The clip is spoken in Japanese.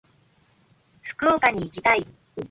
福岡に行きたい。